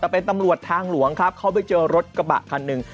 แต่เป็นตำรวจทางหลวงครับเขาไปเจอรถกระบะคันหนึ่ง